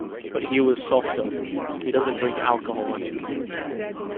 But he was softer-he doesn't drink alcohol anymore.